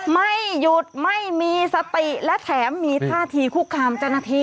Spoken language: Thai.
ไม่หยุดไม่มีสติและแถมมีท่าทีคุกคามเจ้าหน้าที่